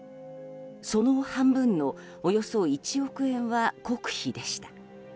その半分のおよそ１億円は国費でした。